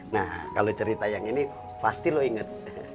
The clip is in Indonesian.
nah kalau cerita yang ini pasti lo inget